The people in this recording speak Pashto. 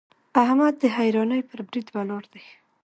احمد د حيرانۍ پر بريد ولاړ دی.